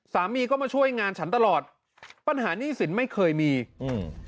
สามีก็มาช่วยงานฉันตลอดปัญหาหนี้สินไม่เคยมีอืม